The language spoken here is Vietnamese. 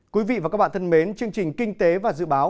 quý vị và các bạn thân mến chương trình kinh tế và dự báo